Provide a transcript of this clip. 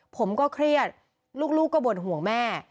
ผมก็เครียดลูกก็บ่นห่วงแม่